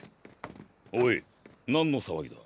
オイ何の騒ぎだ？